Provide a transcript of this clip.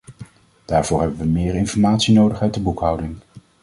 Daarvoor hebben we meer informatie nodig uit de boekhouding.